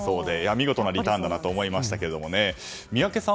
見事なリターンだなと思いましたけれどもね。